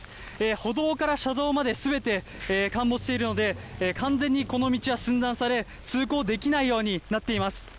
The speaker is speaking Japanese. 歩道から車道まですべて陥没しているので、完全にこの道は寸断され、通行できないようになっています。